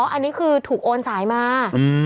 อันนี้คือถูกโอนสายมา